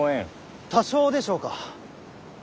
多少でしょうか。